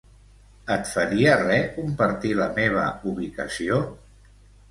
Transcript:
Et faria res compartir la meva ubicació?